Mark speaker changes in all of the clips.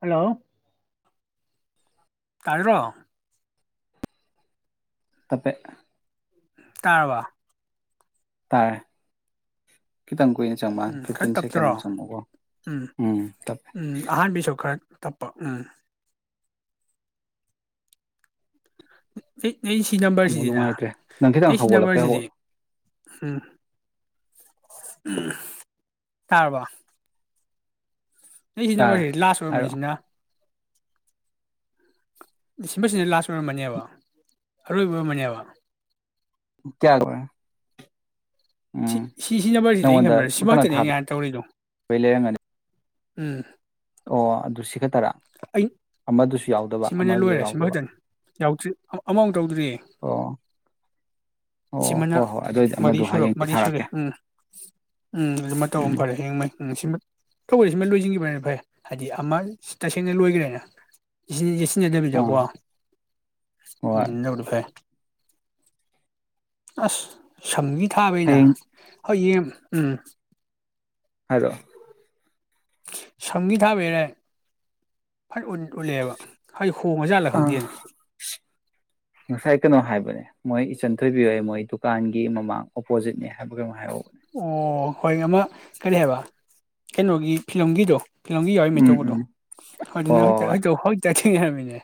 Speaker 1: Hello ꯇꯥꯗ꯭ꯔꯣ
Speaker 2: ꯇꯞꯄꯦ
Speaker 1: ꯇꯥꯔꯕ
Speaker 2: ꯇꯥꯏ ꯈꯤꯇꯪ ꯀꯨꯏꯅ ꯆꯪꯕ
Speaker 1: ꯎꯝ ꯈꯔ
Speaker 2: ꯐꯤꯞꯇꯤꯟ
Speaker 1: ꯇꯞꯇ꯭ꯔꯣ
Speaker 2: ꯁꯦꯀꯦꯟꯃꯨꯛ ꯆꯪꯕꯀꯣ
Speaker 1: ꯎꯝ
Speaker 2: ꯇꯞꯄꯦ
Speaker 1: ꯎꯝ ꯑꯍꯥꯟꯕꯩꯁꯨ ꯈꯔ ꯇꯞꯄ ꯎꯝ [unintelligible] [unintelligible] ꯁꯤ
Speaker 2: ꯑꯃꯨꯛ
Speaker 1: ꯅꯝꯕꯔꯁꯤꯗꯤꯅ
Speaker 2: ꯅꯨꯡꯉꯥꯏꯇ꯭ꯔꯦ ꯅꯪ ꯈꯤꯇꯪ
Speaker 1: ꯅ ꯁꯤ
Speaker 2: ꯍꯧꯒꯠꯂꯛꯄꯩ
Speaker 1: ꯅꯝꯕꯔꯁꯤꯗꯤ
Speaker 2: ꯍꯧꯒꯠꯂ
Speaker 1: ꯎꯝ ꯇꯥꯔꯕ [unintelligible] ꯁꯤ
Speaker 2: ꯇꯥꯔꯦ
Speaker 1: ꯅꯝꯃꯔꯁꯤ ꯂꯥꯁ
Speaker 2: ꯍꯥꯏꯔꯛꯑꯣ
Speaker 1: ꯑꯣꯏꯔꯝꯃꯅꯤꯁꯤꯅ ꯁꯤꯅꯝꯕꯔꯁꯤꯗ ꯂꯥꯁ ꯑꯣꯏꯔꯝꯕꯅꯦꯕ ꯑꯔꯣꯏꯕ ꯑꯣꯏꯔꯝꯃꯅꯦꯕ
Speaker 2: ꯀꯌꯥ [unintelligible] ꯎꯝ
Speaker 1: ꯁꯤ ꯁꯤ ꯅꯝꯕꯔꯁꯤꯗ ꯑꯩꯅ
Speaker 2: ꯅꯪꯉꯣꯟꯗ
Speaker 1: ꯈꯟꯕ
Speaker 2: ꯀꯩꯅꯣ
Speaker 1: ꯁꯤꯃꯛꯇꯅꯦ
Speaker 2: ꯊꯥꯕꯩ
Speaker 1: ꯑꯩꯅꯍꯥꯟꯅ ꯇꯧꯔꯤꯗꯣ
Speaker 2: ꯂꯩꯔꯝꯒꯅꯤ
Speaker 1: ꯎꯝ
Speaker 2: ꯑꯗꯨ ꯁꯤ ꯈꯠ
Speaker 1: ꯑꯩ ꯁꯤꯃꯅ
Speaker 2: ꯑꯃꯗꯨ
Speaker 1: ꯂꯣꯏꯔꯦ ꯁꯤꯃ
Speaker 2: ꯌꯥꯎꯗꯕ
Speaker 1: ꯈꯛꯇꯅꯤ ꯌꯥꯎꯗ꯭ꯔꯤ ꯑꯃ ꯃꯧ ꯇꯧꯗ꯭ꯔꯤꯌꯦ
Speaker 2: ꯑꯣ ꯑꯣ
Speaker 1: ꯁꯤꯃꯅ
Speaker 2: ꯍꯣꯏ ꯍꯣꯏ ꯑꯗꯨꯑꯣꯏꯗꯤ
Speaker 1: ꯃꯔꯤ
Speaker 2: ꯑꯃꯗꯣ
Speaker 1: ꯁꯣ
Speaker 2: ꯍꯌꯦꯡꯗꯤ
Speaker 1: ꯃꯔꯤ ꯁꯨꯔꯦ
Speaker 2: ꯊꯥꯔꯛꯀꯦ
Speaker 1: ꯎꯝ ꯎꯝ ꯑꯗꯨꯃ ꯇꯧꯕꯔ ꯑꯃ
Speaker 2: ꯎꯝ
Speaker 1: ꯐꯔꯦ ꯍꯌꯦꯡ ꯃꯩ ꯎꯝ ꯁꯤꯃ ꯇꯧꯔꯦ ꯁꯤꯃ ꯂꯣꯏꯁꯤꯟꯈꯤꯕꯅ ꯍꯥꯏꯗꯤ ꯑꯃ ꯇꯁꯦꯡꯅ ꯂꯣꯏꯒ꯭ꯔꯦꯅꯦ [unintelligible]
Speaker 2: ꯑꯥ ꯍꯣꯏ
Speaker 1: ꯑꯁ [unintelligible]
Speaker 2: ꯍꯌꯦꯡ
Speaker 1: [unintelligible] ꯍꯣꯏꯌꯦꯡ ꯎꯝ
Speaker 2: ꯍꯂꯣ
Speaker 1: ꯁꯪꯒꯤ ꯊꯥꯕꯤꯔꯦ ꯐ ꯎꯠꯂꯑꯦꯕ ꯍꯥꯏ ꯈꯣꯡꯉꯖꯥꯠꯂ
Speaker 2: ꯑ
Speaker 1: ꯈꯪꯗꯦꯅ
Speaker 2: ꯉꯁꯥꯏ ꯀꯩꯅꯣ ꯍꯥꯏꯕꯅꯦ ꯃꯣꯏ ꯏꯆꯟ ꯊꯣꯏꯕꯤꯌꯣ ꯑꯩ ꯃꯣꯏ ꯗꯨꯀꯥꯟꯒꯤ ꯃꯃꯥꯡ ꯑꯣꯄꯣꯖꯤꯠꯅꯦ [unintelligible]
Speaker 1: ꯑꯣ ꯍꯣꯏ ꯑꯃ ꯀꯔꯤ ꯍꯥꯏꯕ ꯀꯩꯅꯣꯒꯤ ꯐꯤꯂꯝꯒꯤꯗꯣ ꯐꯤꯂꯝꯒꯤ ꯌꯥꯎꯋꯏ ꯃꯩ
Speaker 2: ꯎꯝ
Speaker 1: ꯇꯧꯕꯗꯣ
Speaker 2: ꯎꯝ ꯍꯣꯏ ꯍꯣꯏ
Speaker 1: ꯑꯗꯨꯅ
Speaker 2: ꯍꯣꯏ
Speaker 1: ꯉꯃꯤꯅꯦ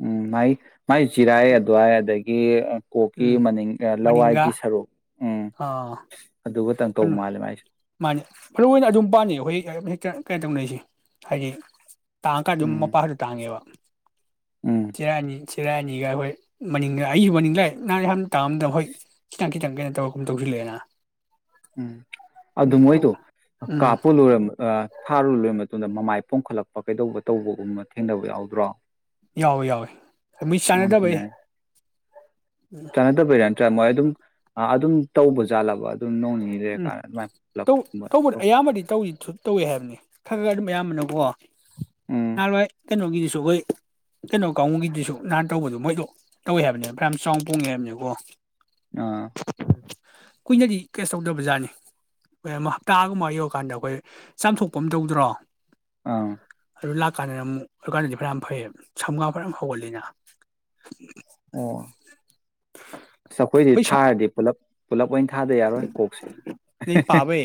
Speaker 2: ꯎꯝ ꯃꯥꯏ ꯃꯥꯏ ꯆꯤꯔꯥꯏ ꯑꯗꯨꯋꯥꯏ ꯑꯗꯒꯤ ꯒꯤ ꯀꯣꯛꯀꯤ
Speaker 1: ꯎꯝ
Speaker 2: ꯃꯅꯤꯡ
Speaker 1: ꯃꯅꯤꯡꯒ
Speaker 2: ꯂꯋꯥꯏꯒꯤ ꯁꯔꯨꯛ ꯎꯝ
Speaker 1: ꯑꯥ
Speaker 2: ꯑꯗꯨꯒꯇꯪ ꯇꯧ
Speaker 1: ꯑꯗꯨ
Speaker 2: ꯃꯥꯜꯂꯦ ꯃꯥꯏꯁꯦ
Speaker 1: ꯃꯥꯅꯦ ꯃꯔꯨ ꯑꯣꯏꯅ ꯑꯗꯨꯝ ꯄꯥꯅꯤ ꯍꯣꯏ ꯍꯦꯛꯇ ꯀꯩ ꯇꯧꯅꯩꯁꯦ ꯍꯥꯏꯗꯤ ꯇꯥꯡ ꯀ ꯑꯗꯨꯝ
Speaker 2: ꯎꯝ
Speaker 1: ꯃꯄꯥꯗꯨ ꯇꯥꯡꯉꯦꯕ
Speaker 2: ꯎꯝ
Speaker 1: [unintelligible] ꯆꯤꯔꯥꯏꯅꯤꯒ ꯑꯈꯣꯏ ꯃꯅꯤꯡ [unintelligible] ꯇꯥꯝꯗ ꯍꯣꯏ ꯈꯤꯇꯪ ꯈꯤꯇꯪ ꯀꯩꯅꯣ ꯇꯧ ꯇꯧꯁꯤꯜꯂꯛꯑꯦꯅ
Speaker 2: ꯎꯝ ꯑꯗꯨ
Speaker 1: ꯎꯝ
Speaker 2: ꯃꯣꯏꯗꯣ
Speaker 1: ꯎꯝ
Speaker 2: ꯀꯥꯞꯄꯨ ꯂꯣꯏꯔ ꯊꯥꯔꯨ ꯂꯣꯏꯔ ꯑꯗꯨꯗ ꯃꯃꯥꯏ ꯄꯣꯝꯈꯠꯂꯛꯄ ꯀꯩꯗꯧꯕ ꯇꯧꯕꯒꯨꯝꯕ ꯊꯦꯡꯅꯕ ꯌꯥꯎꯗ꯭ꯔꯣ
Speaker 1: ꯌꯥꯎꯋꯦ ꯌꯥꯎꯏ ꯃꯤ ꯆꯥꯟꯅꯗꯕꯩ
Speaker 2: ꯆꯅꯥꯗꯕꯩꯔ ꯃꯣꯏ ꯑꯗꯨꯝ ꯑꯗꯨꯝ ꯇꯧꯕꯖꯥꯠꯂꯕ
Speaker 1: ꯎꯝ ꯇꯧ ꯇꯧꯕ
Speaker 2: ꯇꯧ
Speaker 1: ꯑꯌꯥꯝꯕꯗꯤ ꯇꯧꯏ ꯇꯧꯋꯦ ꯍꯥꯏꯕꯅꯤ ꯈꯔ ꯈꯔ ꯑꯗꯨꯝ ꯑꯌꯥꯝꯕꯅꯀꯣ
Speaker 2: ꯎꯝ
Speaker 1: ꯅꯍꯜꯋꯥꯏ ꯀꯩꯅꯣꯒꯤꯗꯨꯁꯨ [unintelligible] ꯀꯩꯅꯣ ꯀꯥꯡꯕꯨꯨꯒꯤꯗꯨꯁꯨ ꯅꯍꯥꯟ ꯇꯧꯕꯗꯣ ꯃꯣꯏꯗꯣ ꯇꯧꯋꯦ ꯍꯥꯏꯕꯅꯦ [unintelligible] ꯌꯥꯝ ꯆꯥꯎ ꯄꯣꯡꯉꯦ ꯍꯥꯏꯕꯅꯤꯀꯣ
Speaker 2: ꯑꯥ
Speaker 1: ꯀꯨꯏꯅꯗꯤ ꯀꯩꯁ ꯇꯧꯗꯝ ꯕꯖꯥꯔꯅꯤ ꯍꯞꯇꯥꯒꯨꯝꯕ ꯌꯧꯔꯀꯥꯟꯗ ꯑꯈꯣꯏ ꯆꯥꯝꯊꯣꯛꯄ ꯑꯃ ꯇꯧꯗ꯭ꯔꯣ
Speaker 2: ꯑꯥ
Speaker 1: ꯑꯗꯨ ꯂꯥꯛꯀꯥꯟꯗꯅ ꯑꯃꯨꯛ ꯑꯗꯨꯀꯥꯟꯗꯗꯤ ꯐꯔ ꯌꯥꯝ ꯐꯩꯌꯦ ꯁꯝꯒꯥ ꯐꯔ ꯌꯥꯝ ꯍꯧꯒꯜꯂꯤꯅ
Speaker 2: ꯑꯣ ꯑꯩꯈꯣꯏꯗꯤ
Speaker 1: ꯄꯩꯁꯥ
Speaker 2: ꯊꯥꯔꯗꯤ ꯄꯨꯂ ꯄꯨꯂꯞ ꯑꯣꯏꯅ [unintelligible] ꯌꯥꯔꯣꯏ ꯀꯣꯛꯁꯦ
Speaker 1: ꯅ ꯄꯥꯕꯩ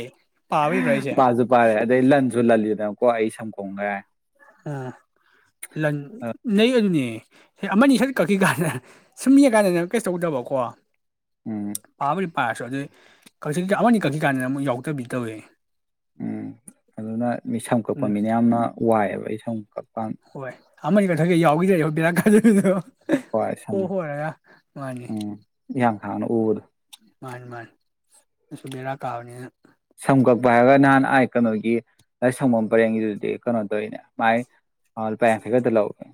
Speaker 1: ꯄꯥꯕꯩꯔꯣ ꯑꯩꯁꯦ
Speaker 2: ꯄꯥꯁꯨ ꯄꯥꯔꯦ ꯑꯗꯩ ꯂꯟꯁꯨ ꯂꯜꯂꯤ [unintelligible] [unintelligible]
Speaker 1: [unintelligible] ꯅꯩ ꯑꯗꯨꯅꯦ ꯑꯃꯅꯤ ꯁꯔ ꯀꯛꯈꯤ ꯀꯥꯟꯗ ꯁꯨꯝ [unintelligible] ꯀꯥꯟꯗꯅ ꯀꯩꯁ ꯇꯧꯗꯕꯀꯣ
Speaker 2: ꯎꯝ
Speaker 1: ꯄꯥꯕꯨꯗꯤ ꯄꯥꯔꯁꯨ ꯑꯗꯨ [unintelligible] ꯑꯃꯅꯤ ꯀꯛꯈꯤ ꯀꯥꯟꯗꯅ ꯑꯃꯨꯛ ꯌꯥꯎꯗꯕꯤ ꯇꯧꯏ
Speaker 2: ꯎꯝ ꯑꯗꯨꯅ ꯃꯤ ꯁꯝ ꯀꯛꯄ
Speaker 1: ꯎꯝ
Speaker 2: ꯃꯤꯅ ꯌꯥꯝꯅ ꯋꯥꯏꯑꯦꯕ ꯑꯩ [unintelligible]
Speaker 1: ꯍꯣꯏ [unintelligible] [unintelligible] [unintelligible] ꯍꯣ ꯍꯣꯏꯔꯒ ꯃꯥꯅꯤ
Speaker 2: [unintelligible] ꯏꯍꯥꯡ ꯍꯥꯡꯅ ꯎꯕꯗꯨ
Speaker 1: ꯑꯁꯨ ꯕꯦꯔꯥ ꯀꯥꯕꯅꯤꯅ
Speaker 2: ꯁꯝ ꯀꯛꯄ ꯍꯥꯏꯔꯒ ꯅꯍꯥꯟ ꯑꯥꯏ ꯀꯩꯅꯣꯒꯤ [unintelligible] ꯄꯔꯦꯡꯒꯤꯗꯨꯗꯤ ꯀꯩꯅꯣ ꯇꯧꯏꯅꯦ ꯃꯥꯏ ꯂꯨꯄꯥ ꯌꯥꯡꯈꯩ ꯈꯛꯇ ꯂꯧꯏꯅꯦ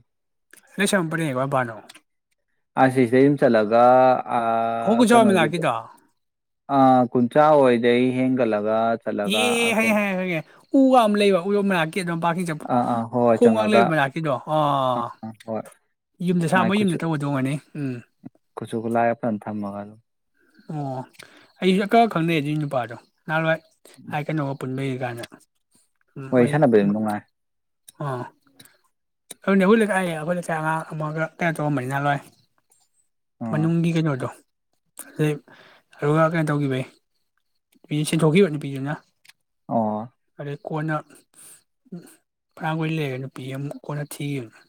Speaker 1: [unintelligible] [unintelligible]
Speaker 2: [unintelligible] ꯁꯤꯗꯩꯩ ꯁꯨꯝ ꯆꯠꯂꯒ
Speaker 1: ꯑꯍꯣ
Speaker 2: ꯑꯥ
Speaker 1: ꯀꯨꯟꯆꯥꯎ
Speaker 2: ꯀꯩꯅꯣꯒꯤꯗꯨ
Speaker 1: ꯃꯅꯥꯛꯀꯤꯗꯣ
Speaker 2: ꯑꯥ [unintelligible] ꯑꯣꯏꯗ ꯑꯩ ꯍꯦꯟꯒꯠꯂ
Speaker 1: [unintelligible] [unintelligible] ꯑꯗꯨꯝ ꯄꯥꯔꯀꯤꯡ ꯆꯠꯄ
Speaker 2: ꯑꯥ ꯑꯥ ꯍꯣꯏ ꯍꯣꯏ
Speaker 1: ꯈꯣꯡꯒ
Speaker 2: ꯆꯪꯉꯒ
Speaker 1: ꯂꯩꯕ ꯃꯅꯥꯀꯤꯗꯣ ꯑꯥ ꯌꯨꯝꯗ
Speaker 2: ꯃꯥꯏ
Speaker 1: ꯁꯥꯕ ꯌꯨꯝꯗ
Speaker 2: ꯈꯨꯠꯁꯨ
Speaker 1: ꯇꯧꯕꯗꯨ ꯑꯣꯏꯔꯝꯒꯅꯤ ꯎꯝ
Speaker 2: ꯈꯨꯠꯁꯨ ꯈꯨꯠꯂꯥꯏꯒ ꯐꯖꯅ ꯊꯝꯃꯒ ꯑꯗꯨꯝ
Speaker 1: ꯑꯣ ꯑꯩꯁꯨ [inaudible] ꯈꯪꯅꯩ ꯑꯗꯨꯒꯤ ꯅꯨꯄꯥꯗꯣ ꯅꯍꯥꯟꯋꯥꯏ ꯑꯩ ꯀꯩꯅꯣꯒ ꯄꯨꯟꯕꯩ ꯒꯅꯥ ꯎ
Speaker 2: ꯋꯥꯔꯤ
Speaker 1: ꯑꯩ
Speaker 2: ꯁꯥꯟꯅꯕꯗꯤ ꯅꯨꯡꯉꯥꯏ
Speaker 1: ꯑꯥ ꯑꯗꯨꯅꯦ ꯑꯩꯈꯣꯏ ꯂꯩꯀꯥꯏꯒꯤ ꯑꯩꯈꯣꯏ ꯂꯩꯀꯥꯏ ꯑꯉꯥꯡ ꯑꯃꯒ ꯀꯩꯅꯣ ꯇꯧꯑꯝꯕꯅꯤꯅ ꯅꯍꯥꯟꯋꯥꯏ
Speaker 2: ꯑꯥ
Speaker 1: ꯃꯅꯨꯡꯒꯤ ꯀꯩꯅꯣꯗꯣ ꯑꯗꯨꯗꯩ ꯑꯗꯨꯒ ꯀꯩꯅꯣ ꯇꯧꯈꯤꯕꯩ ꯅꯨꯄꯤ ꯁꯦꯟꯊꯣꯛꯈꯤꯕ ꯅꯨꯄꯤꯗꯨꯅ
Speaker 2: ꯑꯣ
Speaker 1: [inaudible] ꯀꯣꯟꯅ [inaudible] ꯂꯩꯔꯥ ꯅꯨꯄꯤ ꯑꯃꯨ ꯀꯣꯟꯅ ꯊꯤꯈꯤꯕꯈꯤꯕꯅ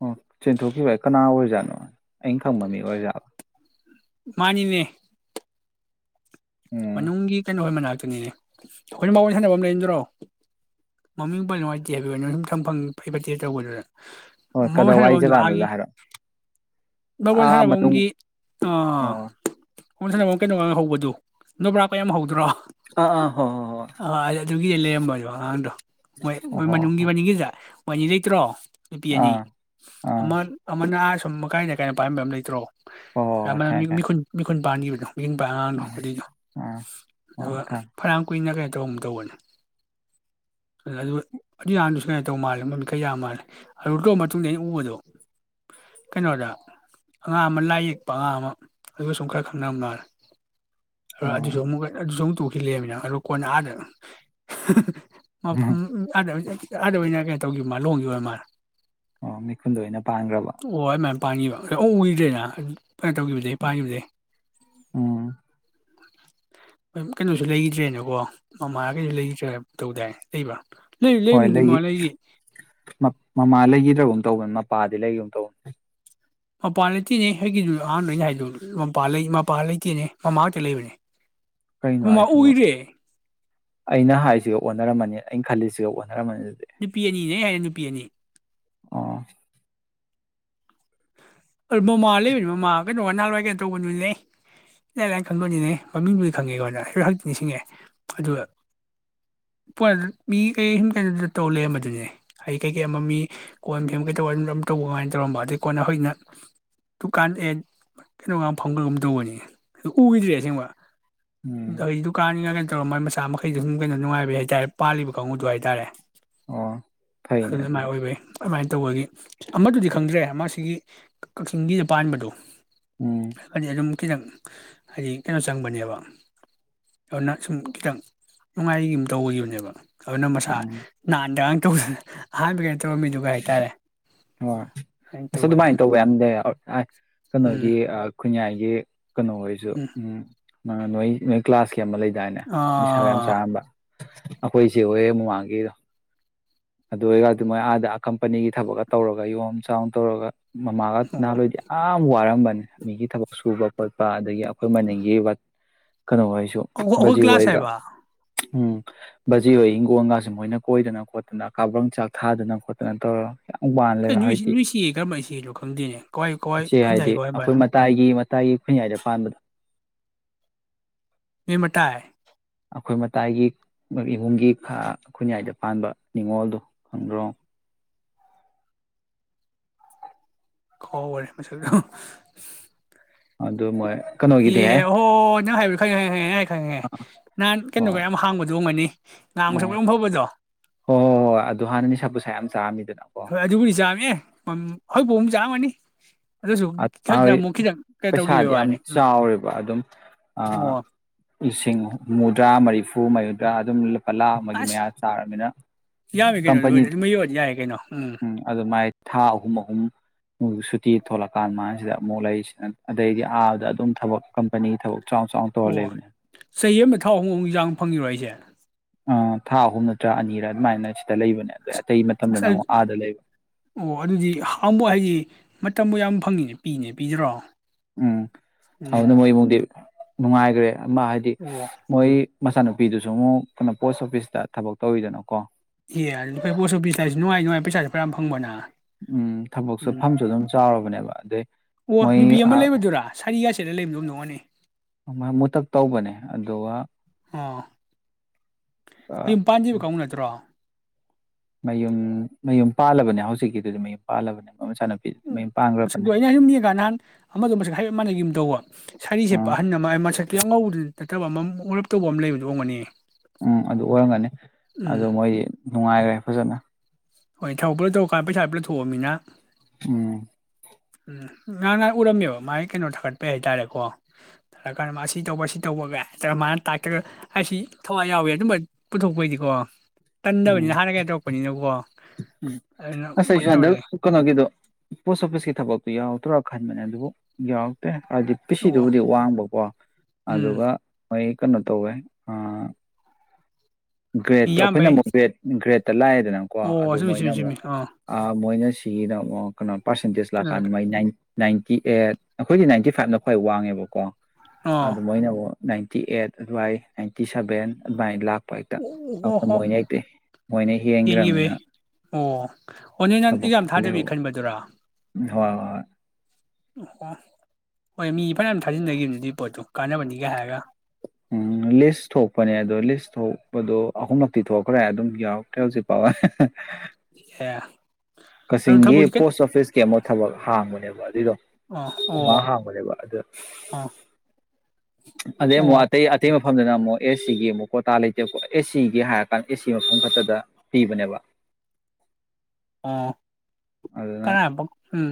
Speaker 2: ꯑꯣ ꯆꯦꯟꯊꯣꯛꯈꯤꯕ ꯀꯅꯥ ꯑꯣꯏꯖꯥꯠꯅꯣ ꯑꯩꯅ ꯈꯪꯕ ꯃꯤ ꯑꯣꯏꯔꯖꯥꯕ
Speaker 1: ꯃꯥꯅꯤꯅꯦ
Speaker 2: ꯎꯝ
Speaker 1: ꯃꯅꯨꯛꯒꯤ ꯀꯩꯅꯣꯒꯤ ꯃꯅꯥꯛ ꯇꯨꯅꯦ ꯑꯩꯈꯣꯏꯅ ꯃꯔꯕꯣꯜ ꯁꯥꯟꯅꯕ ꯑꯃ ꯂꯩꯗ꯭ꯔꯣ ꯃꯃꯤꯡ ꯄꯟ ꯅꯨꯡꯉꯥꯏꯇꯦ ꯍꯥꯏꯕꯩ ꯋꯥꯅꯦ ꯊꯝꯐꯝ ꯐꯩ ꯐꯠꯇꯦ ꯇꯧꯕꯗꯨꯅ
Speaker 2: ꯍꯣꯏ ꯀꯗꯥꯏ ꯋꯥꯏ ꯖꯒꯗꯨꯗꯥ ꯍꯥꯏꯔꯛꯑꯣ
Speaker 1: ꯃꯔꯕꯣꯟ
Speaker 2: ꯑꯥ ꯃꯅꯨꯡ
Speaker 1: ꯁꯥꯟꯅꯕꯝꯒꯤ ꯑ
Speaker 2: ꯑꯣ
Speaker 1: [inaudible] ꯑꯃꯛ ꯀꯩꯅꯣꯒ ꯍꯧꯕꯗꯨ ꯅꯣꯕꯥꯛ ꯀꯥ ꯀꯌꯥꯝ ꯍꯧꯕꯗꯨꯔꯣ
Speaker 2: ꯑꯥ ꯑꯥ ꯍꯣꯏ ꯍꯣꯏ ꯍꯣꯏ
Speaker 1: ꯑ ꯑꯗꯨ ꯑꯗꯨꯒꯤꯗꯤ ꯂꯩꯔꯝꯕꯗ ꯑꯉꯥꯡꯗꯣ ꯃꯣꯏ
Speaker 2: ꯑꯣ
Speaker 1: ꯃꯣꯏ
Speaker 2: ꯍꯣ
Speaker 1: ꯃꯅꯨꯡꯒꯤ
Speaker 2: ꯍꯣ
Speaker 1: ꯃꯅꯨꯡꯅꯤꯡꯒꯤꯗ ꯋꯥꯅꯤ ꯂꯩꯇ꯭ꯔꯣ ꯅꯨꯄꯤ ꯑꯅꯤ
Speaker 2: ꯑꯥ ꯑꯥ
Speaker 1: ꯑꯃꯥꯅ [inaudible] [inaudible] ꯄꯥꯏꯔꯝꯕ ꯑꯃ ꯂꯩꯇ꯭ꯔꯣ
Speaker 2: ꯍꯣꯏ ꯍꯣꯏ
Speaker 1: [inaudible]
Speaker 2: ꯍꯣꯏ ꯈꯪꯉꯦ
Speaker 1: ꯃꯤꯈꯨꯟ ꯃꯤꯈꯨ ꯑꯩꯈꯣꯏ [inaudible] [inaudible] ꯑꯉꯥꯡꯗꯣ
Speaker 2: ꯈꯪꯉꯦ
Speaker 1: ꯑꯗꯨꯏꯗꯣ
Speaker 2: ꯎꯝ ꯑꯥ ꯑꯣ
Speaker 1: ꯑꯗꯨꯒ
Speaker 2: ꯈꯪ
Speaker 1: ꯐꯔꯌꯥꯝ ꯀꯨꯏꯅꯒꯥ ꯇꯧꯒꯨꯝ ꯇꯧꯕꯅꯤ ꯑꯗꯨ ꯑꯗꯨ ꯑꯉꯥꯡ ꯗꯣ ꯁꯨꯃꯥꯏ ꯇꯧ ꯃꯥꯜꯂꯦ ꯃꯃꯤꯠ ꯈꯔ ꯌꯥꯝ ꯃꯥꯜꯂꯦ ꯑꯗꯨ ꯇꯧ ꯃꯇꯨꯡꯗ ꯑꯩꯅ ꯎꯕꯗꯣ ꯀꯩꯅꯣꯗ ꯑꯉꯥꯡ ꯑꯃ ꯂꯥꯏ ꯌꯦꯛꯄ ꯑꯉꯥꯡ ꯑꯃ ꯑꯗꯨꯒ ꯁꯨꯝ ꯈꯔ ꯈꯪꯅꯕ ꯃꯥꯜꯂꯦ ꯑꯥꯗꯨꯁꯨ
Speaker 2: ꯑꯣ
Speaker 1: ꯑꯥꯃꯨꯛ [inaudible] ꯂꯩꯔꯝꯃꯤ ꯅꯥ ꯀꯣꯟꯅ ꯑꯥꯗ [inaudible] [inaudible] [inaudible] ꯑꯗ ꯑꯣꯏꯅ ꯀꯩꯅꯣ ꯇꯧꯈꯤꯕ ꯃꯥꯟꯂꯦ ꯂꯣꯡꯒꯤꯕꯥ ꯑꯣꯏ ꯃꯥꯟꯂꯦ
Speaker 2: ꯑꯣ ꯃꯤꯈꯨꯟꯗ ꯑꯣꯏꯅ ꯄꯥꯟꯈꯔꯥꯕꯥ
Speaker 1: ꯄꯥꯟꯒꯤꯕ ꯎꯒꯔ꯭ꯤꯗꯔ꯭ꯦꯅꯥ ꯀꯩꯅꯣ ꯇꯧꯈꯤꯕꯗ ꯄꯥꯟꯈꯤꯕꯗꯩꯩ
Speaker 2: ꯎꯝ
Speaker 1: ꯀꯩꯅꯣꯁꯨ ꯂꯩꯗ꯭ꯔꯦꯅꯦꯀꯣ ꯃꯃꯥ ꯀꯩꯁꯨ ꯂꯩꯒꯤꯗꯔꯦ ꯇꯧꯗꯥꯏ ꯂꯩꯕ꯭ꯔꯥ ꯂꯩ
Speaker 2: ꯍꯣꯌ
Speaker 1: ꯂꯩꯔꯝꯗꯤ
Speaker 2: ꯂꯩ
Speaker 1: ꯃꯥ ꯂꯩꯒꯤ
Speaker 2: ꯃꯃꯥ ꯂꯩꯒꯤꯗꯙꯨꯝ ꯇꯧꯕꯅ ꯃꯄꯥꯗꯤ ꯂꯩꯒꯨꯝ ꯇꯧꯕꯅꯦ
Speaker 1: ꯃꯄꯥ ꯂꯩꯇꯦꯅꯦ ꯑꯩꯒꯤꯗꯨ ꯑꯍꯥꯟꯕ ꯑꯩꯅ ꯍꯥꯏꯗ ꯃꯄꯥꯟ ꯂꯩꯇꯦꯅꯦ ꯃꯃꯥꯡꯇ ꯂꯩꯕꯅꯦ
Speaker 2: ꯀꯩꯅꯣ
Speaker 1: ꯃꯃꯥ
Speaker 2: ꯍꯥꯏꯁꯤꯕꯨ
Speaker 1: ꯎꯈꯤꯗ꯭ꯔꯦ
Speaker 2: ꯑꯩꯅ ꯍꯥꯏꯁꯤꯒ ꯑꯣꯟꯅꯔꯝꯃꯅꯤ ꯑꯩꯅ ꯈꯜꯂꯤꯁꯤꯒ ꯑꯣꯟ
Speaker 1: ꯅꯨꯄꯤ ꯑꯅꯤꯅꯦ ꯑꯩ ꯌꯥ ꯅꯨꯄ ꯄꯤ ꯑꯅꯤ
Speaker 2: ꯑ
Speaker 1: ꯃꯃꯥ ꯂꯩꯕꯅꯤ ꯃꯃꯥ ꯀꯩꯅꯣ ꯅ ꯅꯍꯥꯟꯋꯥꯏ ꯀꯩ ꯇꯧꯕꯅꯤꯅꯦ ꯏꯥꯏ ꯂꯥꯏꯅ ꯈꯪꯕꯅꯤꯅꯦ ꯃꯃꯤꯡꯕꯨꯗꯤ ꯈꯪꯉꯦꯀꯣꯅ ꯍꯛꯇꯤ ꯅꯤꯡꯁꯤꯡꯉꯦ ꯑꯗꯨꯒ ꯄ ꯃꯤ ꯀꯩ ꯁꯨꯝ ꯀꯩꯅꯣꯗ ꯇꯧ ꯂꯩꯔꯝꯕꯗꯨꯅꯦ ꯑꯩ ꯀꯩꯀꯩ ꯑꯃ ꯃꯤ ꯀꯣ ꯀꯩ ꯇꯧꯕ ꯇꯧꯕ ꯀꯃꯥꯏꯅ ꯇꯧꯔꯝꯕ ꯑꯗꯨꯗꯩ ꯀꯣꯟꯅ ꯍꯧꯖꯤꯛꯅ ꯗꯨꯀꯥꯟ ꯑꯦꯠ ꯀꯩꯅꯣꯒ ꯐꯪꯕꯒꯨꯝ ꯇꯧꯕꯅꯤ ꯑꯗꯨ ꯎꯈꯤꯗ꯭ꯔꯦ ꯑꯁꯦꯡꯕ
Speaker 2: ꯎꯝ
Speaker 1: [unintelligible] ꯗꯨꯀꯥꯟꯅꯤꯒ ꯇꯧꯔ ꯃꯣꯏ ꯃꯆꯥ ꯃꯈꯩꯗꯨꯣ ꯁꯨꯝ ꯀꯩꯅꯣ ꯉꯥꯏꯕ ꯍꯥꯏꯇꯥꯔꯦ ꯄꯥꯜꯂꯤꯕ ꯀꯥꯡꯕꯨꯗꯨ ꯍꯥꯏꯇꯥꯔꯦ
Speaker 2: ꯑꯣ ꯐꯩꯅꯦ
Speaker 1: ꯑꯗꯨꯅ ꯑꯗꯨꯃꯥꯏꯅ
Speaker 2: ꯑꯗꯨꯂ
Speaker 1: ꯑꯣꯏꯕꯩ ꯑꯗꯨꯃꯥꯏꯅ ꯇꯧꯕꯒꯤ ꯑꯃꯗꯨꯗꯤ ꯈꯪꯗ꯭ꯔꯦ ꯑꯃꯥꯁꯤꯒꯤ ꯀꯛꯆꯤꯡꯒꯤꯗ ꯄꯥꯟꯕꯗꯣ
Speaker 2: ꯎꯝ
Speaker 1: ꯑꯗꯨꯝ ꯈꯤꯇꯪ ꯍꯥꯏꯗꯤ ꯀꯩꯅꯣ ꯆꯪꯕꯅꯦꯕ ꯑꯗꯨꯅ ꯁꯨꯝ ꯈꯤꯇꯪ ꯅꯨꯡꯉꯥꯏꯨꯝ ꯇꯧꯕꯒꯤꯈꯤꯕꯅꯦꯕ ꯑꯗꯨꯅ ꯃꯁꯥ
Speaker 2: ꯎꯝ
Speaker 1: ꯅꯥꯟꯗꯒ ꯇꯧ ꯑꯍꯟꯕꯒꯤ ꯇꯔꯝꯃꯤꯗꯨꯒ ꯍꯥꯏꯇꯥꯔꯦ
Speaker 2: ꯍꯣꯏ
Speaker 1: [unintelligible]
Speaker 2: ꯑꯁ
Speaker 1: ꯇꯧꯕꯅꯤ
Speaker 2: ꯑꯗꯨꯃꯥꯏꯅ ꯇꯧꯕ ꯌꯥꯝ [unintelligible]
Speaker 1: ꯎꯝ
Speaker 2: ꯀꯣꯅꯣꯒꯤ ꯈꯨꯅꯌ꯭ꯥꯏ ꯌꯦ ꯀꯩꯅꯣ ꯍꯥꯏꯁꯨ ꯎꯝ ꯑ ꯅ ꯅꯣꯏ ꯀ꯭ꯂꯥꯁ ꯀꯤ ꯑꯃ ꯂꯩꯗꯥꯏꯅꯦ ꯅꯤꯁꯥꯒ ꯌꯥꯝ
Speaker 1: ꯑꯣ
Speaker 2: ꯆꯥꯔꯝꯕ ꯑꯩꯈꯣꯏꯁꯦ ꯍꯣꯌ ꯃꯃꯥꯡꯒꯤꯗꯣ ꯑꯗꯨ ꯑꯣꯏꯒꯗꯨ ꯃꯣꯏ ꯑꯥꯗ ꯀꯝꯄꯅꯤꯒꯤ ꯊꯕꯛꯀ ꯇꯧꯔꯒ ꯌꯣꯝ ꯆꯥꯅ ꯇꯧꯔꯒ ꯃꯃꯥꯒ ꯅꯍꯜꯂꯣꯏꯏꯗꯤ ꯌꯥꯝ ꯋꯥꯔꯝꯕꯅꯤ ꯃꯤꯒꯤ ꯊꯕꯛ ꯁꯨꯕ ꯈꯣꯠꯄ ꯑꯗꯒꯤ ꯑꯩꯈꯣꯏ ꯃꯅꯤꯡꯒꯤ ꯀꯩꯅꯣ ꯑꯣꯏꯁꯨ ꯕꯖꯤ
Speaker 1: ꯑꯩꯈꯣꯏ ꯀ꯭ꯂꯥꯁ
Speaker 2: ꯑꯣꯏꯒ
Speaker 1: ꯍꯥꯏꯕ
Speaker 2: ꯎꯝ ꯕꯖꯤꯍꯣꯌ ꯏꯪꯒꯣꯂꯒꯁꯦ ꯃꯣꯏꯅ ꯀꯣꯏꯗꯅ ꯈꯣꯠꯇꯅ ꯀꯥꯕ꯭ꯔꯪꯆꯥꯛ ꯊꯥꯗꯅ ꯈꯣꯠ ꯅꯇꯣ
Speaker 1: ꯀꯦꯏꯟ ꯅꯣꯏ ꯆꯦ ꯅꯣꯏ ꯆꯦꯗꯤ ꯀꯔꯝꯕ ꯆꯦꯅꯣ ꯈꯡꯗꯦꯅꯦ ꯀꯑꯋꯥ ꯀꯑꯋ꯭ ꯈꯨꯟꯌꯥꯏ ꯀꯥꯏ ꯃꯄꯅꯣ
Speaker 2: ꯇꯥꯏꯒꯤ ꯈꯨꯟꯌꯥꯏꯗ ꯄꯥꯟꯕꯗꯣ
Speaker 1: ꯃꯤ ꯃꯇꯥꯏ
Speaker 2: ꯑꯩꯈꯣꯏ ꯃꯇꯥꯏꯒꯤ ꯅꯣꯏ ꯏꯃꯨꯡꯒꯤ ꯈꯨꯈꯣꯏꯟꯌꯥꯏꯗ ꯄꯥꯟꯕ ꯅꯤꯉꯣꯜꯗꯣ ꯈꯪꯗ꯭ꯔꯣ
Speaker 1: ꯀꯥꯎꯔꯦ ꯃꯁꯛ ꯇꯣ
Speaker 2: ꯑꯗꯨ ꯃꯣꯏ ꯀꯩꯅꯣꯒꯤꯗꯤꯍꯦ
Speaker 1: ꯏꯍꯦ ꯅꯪ ꯍꯥꯏꯗꯨ ꯈꯪꯉꯦ ꯈꯪꯉꯦ ꯌꯥꯔꯦ ꯈꯪꯉꯦ ꯍꯥꯟ
Speaker 2: ꯑꯣ
Speaker 1: ꯀꯩꯅꯣꯒ ꯌꯥꯝ ꯍꯥꯡꯕꯗꯣ ꯑꯣꯏꯔꯝꯒꯅꯤ ꯉꯥꯡꯕ
Speaker 2: ꯎꯝ
Speaker 1: ꯁꯛꯄ
Speaker 2: ꯍꯣꯏ
Speaker 1: ꯌꯥꯝ ꯐꯕꯗꯣ
Speaker 2: ꯍꯣꯏ ꯍꯣꯏ ꯑꯗꯨ ꯍꯥꯟꯅ ꯅꯤꯁꯥ ꯄꯨꯁꯥ ꯌꯥꯝ ꯆꯥꯔꯝꯃꯤꯗꯅꯀꯣ
Speaker 1: ꯍꯣꯏ ꯑꯗꯨꯕꯨꯗꯤ ꯆꯥꯃꯦ ꯑꯩꯈꯣꯏ ꯄꯨ ꯆꯥꯔꯝꯒꯅꯤ
Speaker 2: ꯃꯥꯏ ꯄꯩꯁꯥꯗꯤ ꯌꯥꯝ
Speaker 1: ꯋꯥꯅꯤ ꯎꯝ
Speaker 2: ꯆꯥꯎꯋꯦꯕ ꯑꯗꯨꯝ
Speaker 1: ꯑꯣ
Speaker 2: ꯂꯤꯁꯤꯡ ꯍꯨꯝꯐꯨꯗ꯭ꯔꯥ ꯃꯔꯤ ꯐꯨ ꯃꯧꯗ꯭ꯔ ꯑꯗꯨꯝ ꯂꯨꯄꯥ ꯂꯥꯛ ꯑꯃꯒꯤ
Speaker 1: ꯑꯁ
Speaker 2: ꯃꯌꯥ ꯆꯥꯔꯕꯅꯤꯅ
Speaker 1: ꯌꯥꯝꯃꯤ ꯀꯩꯅꯣ ꯑꯗꯨ
Speaker 2: ꯀꯝꯄꯥꯅꯤ
Speaker 1: ꯑꯣꯏꯔꯗꯤ ꯑꯗꯨꯃ ꯌꯧꯔꯗꯤ ꯌꯥꯔꯦ ꯀꯩꯅꯣ
Speaker 2: ꯎꯝ ꯑꯗꯨ ꯃꯥꯏ ꯊꯥ ꯑꯍꯨꯝ ꯑꯍꯨꯝ ꯊꯣꯛꯂꯛꯀꯥꯟ ꯃꯥꯁꯤꯗ ꯑꯃꯨꯛ ꯂꯩꯔꯤꯁꯤꯅ ꯑꯗꯩꯗꯤ ꯑꯥꯕꯗ ꯑꯗꯨꯝ ꯊꯕꯛ ꯀꯝꯄꯅꯤ ꯊꯕꯛ ꯆꯥꯎ ꯆꯥꯎꯅ ꯇꯧꯔ
Speaker 1: ꯑꯣ
Speaker 2: ꯂꯩꯕꯅꯦ
Speaker 1: ꯆꯍꯤ ꯑꯃ ꯊꯥꯎ ꯑꯍꯨꯝ ꯍꯨꯝ ꯆꯥꯡ ꯐꯪꯉꯤꯔꯣ ꯍꯥꯏꯁꯦ
Speaker 2: ꯑ ꯊꯥ ꯑꯍꯨꯝ ꯅꯠꯇ꯭ꯔꯥ ꯑꯅꯤꯔ ꯑꯗꯨꯃꯥꯏꯅ ꯁꯤꯗ ꯂꯩꯕꯅꯦ ꯑꯗꯩ ꯑꯇꯩ
Speaker 1: ꯑ ꯑꯁ
Speaker 2: ꯃꯇꯝꯗꯅ ꯑꯃꯨꯛ ꯑꯥꯗ ꯂꯩꯕ
Speaker 1: ꯑꯣ ꯑꯗꯨꯗꯤ ꯍꯝꯕ ꯍꯥꯏꯗꯤ ꯃꯇꯝꯕꯨ ꯌꯥꯝ ꯐꯪꯉꯤꯅꯦ ꯄꯤꯅꯦ ꯄꯤꯗ꯭ꯔꯣ
Speaker 2: ꯎꯝ
Speaker 1: ꯎꯝ
Speaker 2: ꯑꯗꯨꯅ ꯃꯣꯏ ꯏꯃꯨꯡꯗꯤ ꯅꯨꯡꯉꯥꯏꯈ꯭ꯔꯦ ꯃꯥ ꯍꯥꯏꯗꯤ
Speaker 1: ꯑꯣ
Speaker 2: ꯃꯣꯏ ꯃꯆꯥꯅꯨꯄꯤꯗꯨꯁꯨ ꯑꯃꯨꯛ ꯀꯩꯅꯣ ꯄꯣꯁ ꯑꯣꯐꯤꯁꯇ ꯊꯕꯛ ꯇꯧꯋꯤꯗꯅꯥ ꯀꯣ
Speaker 1: ꯑꯦ ꯑꯗꯨꯗꯤ ꯄꯣꯠꯁ ꯑꯣꯄꯤꯁ ꯂꯥꯏꯔꯁꯨ ꯅꯨꯡꯉꯥꯏ ꯅꯨꯡꯉꯥꯏ ꯄꯩꯁꯥꯁꯨ ꯈꯔꯥ ꯌꯥꯝ ꯐꯪꯕꯅ
Speaker 2: ꯎꯝ ꯊꯕꯛꯁꯨ
Speaker 1: ꯎꯝ
Speaker 2: ꯐꯝꯁꯨ ꯑꯗꯨꯝ ꯆꯥꯎꯔꯕꯅꯦꯕ ꯑꯗꯩ
Speaker 1: ꯑꯣ
Speaker 2: ꯃꯣꯏ
Speaker 1: ꯅꯨꯕꯤ ꯑꯃ ꯂꯩꯕꯗꯨꯔꯥ ꯁꯥꯔꯤꯒ ꯁꯦꯠꯂꯥ ꯂꯩꯕꯗꯣ ꯑꯣꯏꯔꯝꯒꯅꯤ
Speaker 2: ꯃꯨꯇꯛ ꯇꯧꯕꯅꯦ ꯑꯗꯨꯒ
Speaker 1: ꯑꯣ ꯃꯌꯨꯝ ꯄꯥꯟꯒꯤꯕ ꯀꯥꯡꯕꯨ ꯅꯠꯇ꯭ꯔꯣ
Speaker 2: ꯃꯌꯨꯝ ꯃꯌꯨꯝ ꯄꯥꯜꯂꯕꯅꯦ ꯍꯧꯖꯤꯛꯀꯤꯗꯨꯗꯤ ꯃꯌꯨꯝ ꯄꯥꯜꯂꯕꯅꯦ ꯃꯣꯏ ꯃꯆꯥꯅꯨꯄꯤꯗꯨꯗꯤ ꯃꯌꯨꯝ
Speaker 1: ꯃꯁꯛꯇꯣ
Speaker 2: ꯄꯥꯟꯈ꯭ꯔꯕꯅꯦ
Speaker 1: ꯑꯩꯅ ꯁꯨꯝ ꯌꯦꯡꯉ ꯀꯥꯟ ꯅꯍꯥꯟ ꯑꯃꯗꯣ ꯃꯁꯛ ꯍꯥꯏꯔꯞ ꯃꯥꯟꯅꯒꯤꯒꯨꯝ ꯇꯧꯕ ꯁꯥꯔꯤ ꯁꯦꯠꯄꯥ
Speaker 2: ꯎꯝ
Speaker 1: ꯑꯍꯟ ꯑꯃ ꯃꯁꯛꯇꯤ ꯌꯥꯝ ꯉꯧꯕꯗꯤ ꯅꯠꯇꯕ ꯑꯃ ꯃꯨꯔꯞꯇꯧꯕ ꯑꯃ ꯂꯩꯕꯗꯨꯣ ꯑꯣꯏꯒꯅꯤ
Speaker 2: ꯎꯝ ꯑꯗꯨ ꯑꯣꯏꯔꯝꯒꯅꯤ ꯑꯗꯣ ꯃꯣꯏꯗꯤ ꯅꯨꯡꯉꯥꯏꯈ꯭ꯔꯦ ꯐꯖꯅ
Speaker 1: ꯍꯣꯏ ꯊꯕꯛ ꯄꯨꯂꯞ ꯇꯧꯔꯀꯥꯟꯗ ꯄꯩꯁꯥ ꯄꯨꯂꯞ ꯊꯣꯛꯑꯃꯤꯅ
Speaker 2: ꯎꯝ
Speaker 1: ꯎꯝ ꯉꯔꯥꯡ ꯉꯍꯥꯟ ꯎꯔꯝꯃꯦꯕ ꯃꯥꯒꯤ ꯀꯩꯅꯣ ꯊꯥꯒꯠꯄꯩ ꯍꯥꯏꯇꯥꯔꯦꯀꯣ ꯊꯥꯒꯠꯀꯥꯟꯗ ꯃꯥꯅ ꯁꯤ ꯇꯧꯕ ꯁꯤ ꯇꯧꯕꯒ ꯅꯠꯇꯒ ꯃꯥꯅ ꯇꯥꯛꯇꯒ ꯍꯥꯏꯁꯤ ꯊꯋꯥꯏ ꯌꯥꯎꯏꯦ ꯑꯗꯨꯝꯕ ꯄꯨꯊꯣꯛꯄꯩꯗꯤꯀꯣ
Speaker 2: ꯎꯝ
Speaker 1: ꯇꯟꯗꯕꯅꯤꯅ ꯍꯥꯟꯅ ꯀꯩꯅꫭ ꯊꯣꯛꯔꯛꯄꯅꯤꯅꯀꯣ
Speaker 2: ꯎꯝ ꯑꯩꯁꯨ ꯍꯟꯗꯛ ꯀꯩꯅꯣꯒꯤꯗꯣ ꯄꯣꯁ ꯑꯣꯐꯤꯁꯀꯤ ꯊꯕꯛꯇꯣ ꯌꯥꯎ ꯔꯛꯀꯗ꯭ꯔꯥ ꯈꯟꯕꯅꯦ ꯑꯗꯨꯕꯨ ꯌꯥꯎꯔꯛꯇꯦ ꯍꯥꯏꯗꯤ
Speaker 1: ꯑꯣ
Speaker 2: ꯄꯤꯁꯤꯗꯨꯕꯨꯗꯤ ꯋꯥꯡꯕꯀꯣ
Speaker 1: ꯎꯝ
Speaker 2: ꯑꯗꯨꯒ ꯃꯣꯏ ꯀꯩꯅꯣ ꯇꯧꯕꯩ ꯒ꯭ꯔꯦꯠꯇꯣ ꯑꯩꯈꯣꯏꯅ
Speaker 1: ꯏꯌꯥꯝꯕꯩ
Speaker 2: ꯑꯃꯨꯛ ꯒ꯭ꯔꯦꯠ ꯒ꯭ꯔꯦꯠ꯫ [unintelligible] ꯅꯪ ꯀꯣ
Speaker 1: ꯑꯣ
Speaker 2: ꯑꯗꯨ
Speaker 1: ꯆꯨꯝꯃꯤ
Speaker 2: ꯃꯣꯏꯅ
Speaker 1: ꯆꯨꯝꯃꯤ
Speaker 2: ꯑꯃꯨꯛ
Speaker 1: ꯆꯨꯝꯃꯤ
Speaker 2: ꯑꯥ ꯃꯣꯏꯅ [unintelligible] ꯄ꯭ꯔꯁꯦꯟꯇꯦꯁ ꯂꯥꯛꯀꯥꯟ
Speaker 1: ꯀꯩꯅꯣꯗ
Speaker 2: ꯃꯣꯏ ꯅꯥꯏꯟ ꯅꯥꯏꯟꯇꯤ ꯑꯦꯠ ꯑꯩꯈꯣꯏꯗꯤ ꯅꯥꯏꯟꯇꯤ ꯐꯥꯏꯚꯅ ꯈ꯭ꯋꯥꯏ ꯋꯥꯡꯉꯦꯕꯀꯣ꯫
Speaker 1: ꯑꯥ
Speaker 2: ꯑꯗꯨ ꯃꯣꯏꯅ ꯅꯥꯏꯟꯇꯤ ꯑꯦꯠ ꯑꯗꯨꯋꯥꯏ ꯅꯥꯏꯟꯇꯤ ꯁꯕꯦꯟ ꯑꯗꯨꯃꯥꯏ ꯂꯥꯛ ꯍꯦꯛꯇ
Speaker 1: ꯑꯣ ꯍꯣ
Speaker 2: ꯑ-ꯃꯣꯏꯅ ꯍꯦꯛꯇ ꯃꯣꯏꯅ
Speaker 1: ꯌꯦꯟꯒꯤꯕꯩ
Speaker 2: ꯍꯦꯟꯒ꯭ꯔꯝꯅꯤꯅ
Speaker 1: ꯑꯣ ꯑꯣ ꯅꯣꯏꯅꯥꯟ ꯑꯦꯛꯖꯥꯝ ꯊꯥꯗꯕꯤ ꯈꯟꯕꯗꯨꯔꯥ
Speaker 2: ꯍꯣꯏ ꯍꯣꯏ꯫
Speaker 1: ꯑꯣ ꯍꯣꯏ ꯃꯤ ꯐꯅꯌꯥꯝ ꯊꯥꯖꯤꯟꯅꯒꯤꯕꯅꯤ ꯗꯨꯏ ꯄꯣꯠꯇꯨ ꯀꯥꯟꯅꯕꯅꯤꯒ ꯍꯥꯏꯔꯒ
Speaker 2: ꯎꯝ ꯂꯤꯁ ꯊꯣꯛꯄꯅꯦ ꯑꯗꯣ ꯂꯤꯁ ꯊꯣꯛꯄꯗꯣ ꯑꯍꯨꯝꯂꯛꯇꯤ ꯊꯣꯛꯈ꯭ꯔꯦ ꯑꯗꯨꯝ ꯌꯥꯎꯔꯛꯇꯦ ꯍꯧꯖꯤꯛ ꯐꯥꯎꯕ ꯍ-ꯍ
Speaker 1: ꯑꯦ ꯑꯗꯨ
Speaker 2: ꯀꯛꯆꯤꯡꯒꯤ
Speaker 1: ꯊꯕꯛꯇꯤ ꯀꯩꯅꯣ
Speaker 2: ꯄꯣꯁ ꯑꯣꯐꯤꯁꯀꯤ ꯑꯃ ꯊꯕꯛ ꯍꯥꯡꯕꯅꯦꯕ
Speaker 1: ꯑꯣ
Speaker 2: [unintelligible] ꯑꯃ
Speaker 1: ꯑꯣ
Speaker 2: ꯍꯥꯡꯕꯅꯦꯕ ꯑꯗꯨ
Speaker 1: ꯑꯣ
Speaker 2: ꯑꯗꯩ ꯑꯃꯨꯛ
Speaker 1: ꯑꯣ
Speaker 2: ꯑꯇꯩ ꯑꯇꯩ ꯃꯐꯝꯗꯅ ꯑꯃꯨꯛ ꯑꯦꯁꯁꯤꯒꯤ ꯑꯃꯨꯛ ꯀꯣꯇꯥ ꯂꯩꯇꯦꯕ ꯑꯦꯁꯁꯤꯒꯤ ꯍꯥꯏꯔꯀꯥꯟ ꯑꯦꯁꯁꯤꯒꯤ ꯃꯐꯝ ꯈꯛꯇꯗ ꯄꯤꯕꯅꯦꯕ
Speaker 1: ꯑꯣ
Speaker 2: ꯑꯗꯨꯅ
Speaker 1: [unintelligible] ꯎꯝ꯫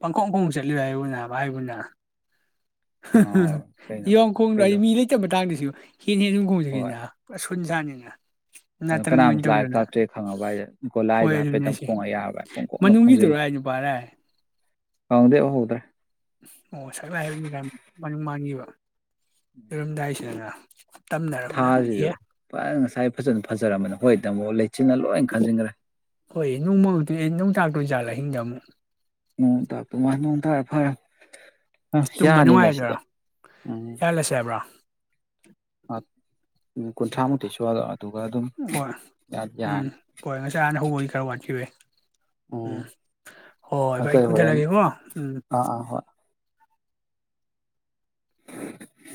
Speaker 1: ꯄꯪꯈꯣꯡ ꯈꯣꯡ ꯆꯠꯂꯤꯔ ꯍꯥꯏꯕꯨꯅꯥꯕ ꯍꯥꯏꯕꯨꯅꯥ꯫ ꯍ-ꯍꯨ
Speaker 2: ꯉꯥꯎꯔꯦ ꯀꯩꯅꯣ
Speaker 1: ꯌꯣꯡꯈꯣꯡꯗ꯭ꯔ
Speaker 2: ꯀꯩꯗꯣ
Speaker 1: ꯑꯩ ꯃꯤ ꯂꯩꯇꯕ ꯃꯇꯥꯡꯗꯁꯨ꯫ ꯍꯦꯟ ꯍꯦꯟꯒꯁꯨꯝ ꯈꯣꯡ [unintelligible] ꯏ ꯅꯥ [unintelligible] ꯖꯥꯅꯤꯅ꯫
Speaker 2: ꯀꯅꯥꯝꯖꯨ ꯂꯥꯛ- ꯂꯥꯛꯇ꯭ꯔꯦ ꯈꯪꯉꯕ ꯑꯥꯏꯖꯦ
Speaker 1: ꯍꯣꯏ
Speaker 2: ꯒꯣꯂꯥꯏꯗꯣ
Speaker 1: ꯑꯗꯨꯅꯦ
Speaker 2: ꯍꯥꯏꯐꯦꯠꯇꯪ
Speaker 1: ꯁꯤ
Speaker 2: ꯈꯣꯡꯉ ꯌꯥꯔꯕ꯭ꯔꯥ ꯑꯥꯏ ꯄꯨꯡ ꯀꯣꯡꯗ ꯈꯣꯡꯖꯤꯜꯂꯤ꯫
Speaker 1: ꯃꯅꯨꯡꯒꯤꯗꯨꯔ ꯍꯥꯏ ꯅꯨꯄꯥꯔ
Speaker 2: [unintelligible] ꯎꯍꯧꯗ꯭ꯔꯦ꯫
Speaker 1: ꯑꯣ ꯁꯥ [unintelligible] ꯕꯅꯤꯅ [unintelligible] ꯃꯥꯡꯒꯤꯕ꯫ [unintelligible] ꯔꯝꯗꯥꯏꯁꯗꯅꯥ꯫ [inaudible]
Speaker 2: ꯊꯥꯖꯤꯁꯨ ꯐꯖꯅ ꯉꯁꯥꯏ ꯐꯖꯅ ꯐꯖꯔꯝꯕꯅꯦ ꯍꯣꯏ ꯇꯥꯃꯣ ꯂꯩ꯫
Speaker 1: ꯍꯣꯏ ꯅꯨꯡꯃ [inaudible] ꯅꯨꯡ [inaudible] ꯑꯍꯤꯡꯗ ꯑꯃꯨꯛ
Speaker 2: ꯅꯣꯡ ꯇꯥꯇꯨ ꯃꯟ ꯅꯣꯡ ꯇꯥꯔ ꯐꯔꯦ ꯑ
Speaker 1: ꯇꯨꯝꯕ
Speaker 2: ꯌꯥꯔꯅꯤꯅꯦ
Speaker 1: ꯅꯨꯡꯉꯥꯏꯗꯣꯏꯔꯥ
Speaker 2: ꯁꯤꯗꯤ ꯎꯝ
Speaker 1: ꯌꯥꯜꯂꯁꯦ ꯍꯥꯏꯕ꯭ꯔꯥ
Speaker 2: ꯍ ꯀꯨꯟꯊ꯭ꯔꯥꯃꯨꯛꯇꯤ ꯁꯨꯍꯜꯂꯣ ꯑꯗꯨꯒ ꯑꯗꯨꯝ
Speaker 1: ꯍꯣꯏ ꯎꯝ
Speaker 2: ꯌꯥꯔꯅꯤ
Speaker 1: ꯍꯣꯏ ꯉꯁꯥꯏ ꯍꯥꯟꯅ ꯍꯧꯕꯒꯤ ꯈꯔ ꯋꯥꯠꯈꯤꯕꯩ ꯎꯝ ꯍꯣꯏ ꯏꯛ
Speaker 2: ꯑꯇꯩ
Speaker 1: ꯃꯨꯊꯠ
Speaker 2: ꯍꯣꯔꯦꯟ
Speaker 1: ꯂꯒꯦꯀꯣ ꯎꯝ
Speaker 2: ꯑꯥ ꯑꯥ ꯍꯣꯏ